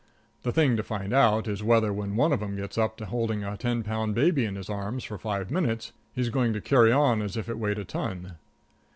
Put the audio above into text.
The thing to find out is whether, when one of them gets up to holding a ten pound baby in his arms, for five minutes, he's going to carry on as if it weighed a ton.